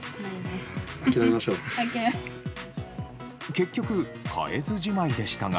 結局、買えずじまいでしたが。